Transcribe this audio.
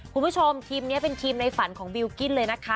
คุณผู้ชมทีมนี้เป็นทีมในฝันของบิลกิ้นเลยนะคะ